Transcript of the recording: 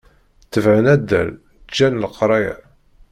Tebεen addal, ǧǧan leqraya.